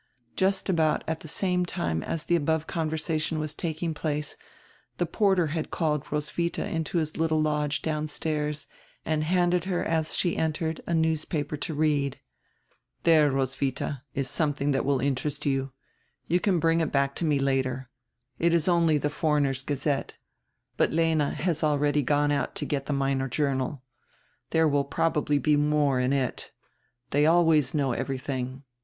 Just about at die same time as die above conversation was taking place die porter had called Roswidia into his little lodge downstairs and handed her as she entered a newspaper to read. "There, Roswitha, is somediing diat will interest you. You can bring it back to me later. It is only die Foreigners ' Gazette, but Lena has already gone out to get die Minor Journal. There will probably be more in it. They always know everydiing.